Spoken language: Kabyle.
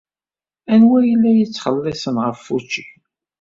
Anwa ay la yettxelliṣen ɣef wučči?